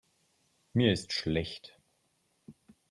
Mir ist schlecht.